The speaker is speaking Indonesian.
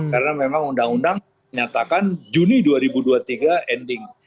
karena memang undang undang menyatakan juni dua ribu dua puluh tiga ending